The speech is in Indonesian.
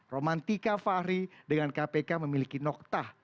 romantika fahri dengan kpk memiliki noktah